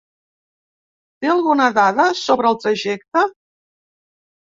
Té alguna dada sobre el trajecte?